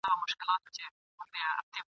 یاران به خوښ وي رقیب له خوار وي !.